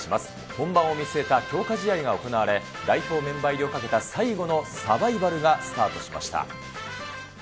本番を見据えた強化試合が行われ、代表メンバー入りをかけた最後のサバイバルがスタートしました。